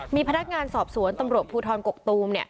มีพนักงานสอบสวนตำรวจภูทรกกตูม